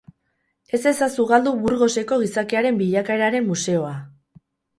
Ez ezazu galdu Burgoseko gizakiaren bilakaeraren museoa!